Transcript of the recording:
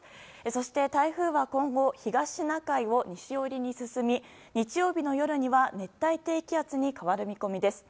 そして、台風は今後東シナ海を西寄りに進み日曜日の夜には熱帯低気圧に変わる見込みです。